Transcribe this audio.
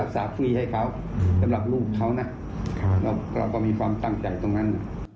สำหรับลูกเขาเราก็มีความตั้งใจตรงนั้น